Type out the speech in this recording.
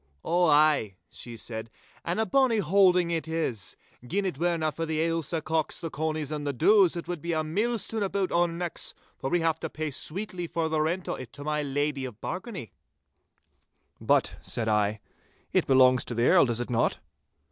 'Ow ay,'she said, 'and a bonny holding it is. Gin it werena for the Ailsa cocks, the conies, and the doos, it wad be a mill stone aboot our necks, for we have to pay sweetly for the rent o' it to my Lady of Bargany.' 'But,' said I, 'it belongs to the Earl, does it not?